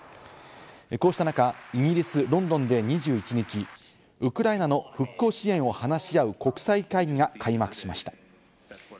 こうした中、イギリス・ロンドンで２１日、ウクライナの復興支援を話し合う国際会議が開幕しました。